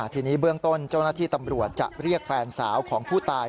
ทีนี้เบื้องต้นเจ้าหน้าที่ตำรวจจะเรียกแฟนสาวของผู้ตาย